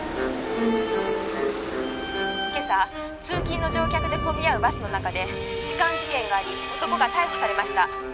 「今朝通勤の乗客で混み合うバスの中で痴漢事件があり男が逮捕されました」